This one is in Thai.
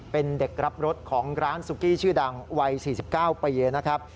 เป็นเด็กรับรถของร้านซุกี้ชื่อดังวัย๔๙ปีนะครับ